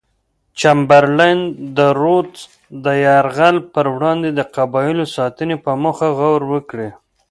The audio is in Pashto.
چمبرلاین د رودز د یرغل پر وړاندې د قبایلو ساتنې په موخه غور وکړي.